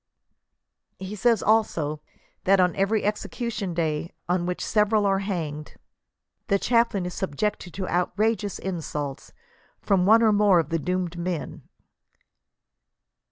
He says also, that "on every execution day on which several are banged, the chaplain is subjected to outrageous insults from one or more of the doomed men."